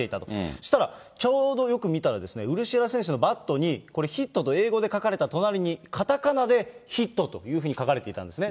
そしたら、ちょうどよく見たら、ウルシェラ選手のバットにヒットと英語で書かれた隣に、かたかなでヒットというふうに書かれていたんですね。